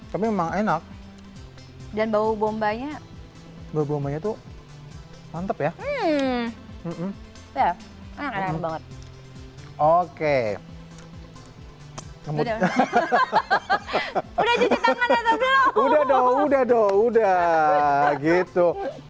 tapi emang enak dan bau bombanya bau bau itu mantep ya oke udah udah udah gitu